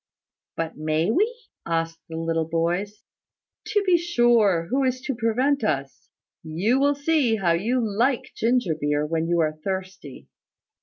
"But may we?" asked the little boys. "To be sure; who is to prevent us? You shall see how you like ginger beer when you are thirsty."